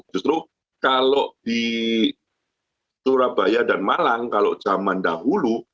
justru kalau di surabaya dan malang kalau zaman dahulu